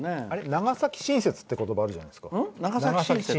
長崎親切って言葉あるじゃないですか。